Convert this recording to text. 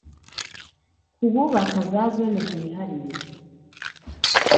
ku bubaka za Zone zihariye